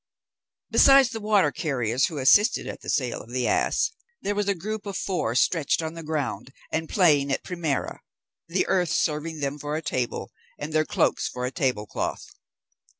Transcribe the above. Besides the water carriers who assisted at the sale of the ass, there was a group of four stretched on the ground, and playing at primera, the earth serving them for a table, and their cloaks for a table cloth.